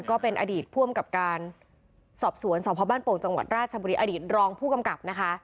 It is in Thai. ก็เป็นอดีตผู้อำกับการสอบสวนสพบ้านโป่งจังหวัดราชบุรีอดีตรองผู้กำกับนะคะ